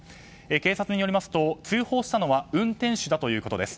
警察によりますと通報したのは運転手だということです。